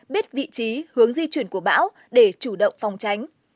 biết vị trí hướng di chuyển của bão để chủ động phòng tránh